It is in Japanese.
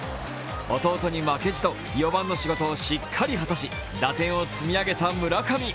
弟に負けじと４番の仕事をしっかり果たし打点を積み上げた村上。